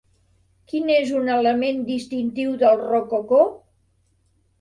Quin és un element distintiu del rococó?